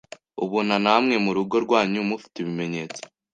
ubona namwe mu rugo rwanyu mufite ibimenyetso